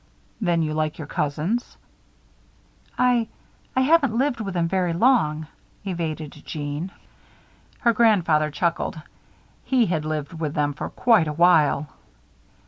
"Then you like your cousins?" "I I haven't lived with them very long," evaded Jeanne. Her grandfather chuckled. He had lived with them for quite a while.